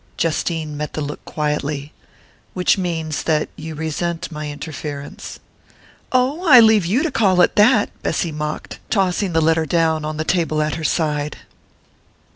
Justine met the look quietly. "Which means that you resent my interference " "Oh, I leave you to call it that!" Bessy mocked, tossing the letter down on the table at her side.